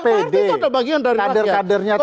partai itu ada bagian dari rakyat